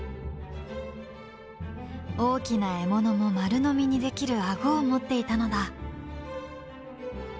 大きな獲物も丸飲みにできるあごを持っていたのだ。